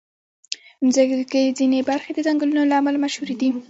د مځکې ځینې برخې د ځنګلونو له امله مشهوري دي.